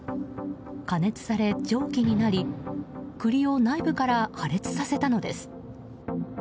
加熱され、蒸気になり栗を内部から破裂させたのです。